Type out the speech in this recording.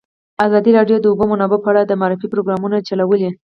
ازادي راډیو د د اوبو منابع په اړه د معارفې پروګرامونه چلولي.